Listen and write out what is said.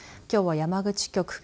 きょうは山口局。